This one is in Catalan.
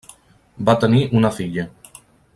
Va tenir una filla.